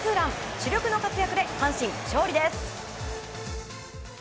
主力の活躍で阪神、勝利です。